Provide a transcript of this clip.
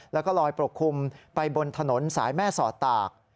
แล้วก็ลอยปกคลุมไปบนถนนสายแม่สอดตาก